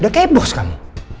udah kayak bos kamu